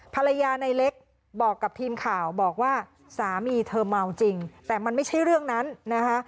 ภรรยาในเล็กบอกกับทีมข่าวบอกว่าสามีเธอเมาจริงแต่มันไม่ใช่เรื่องนั้นนะคะ